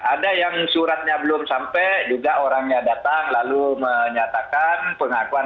ada yang suratnya belum sampai juga orangnya datang lalu menyatakan pengakuan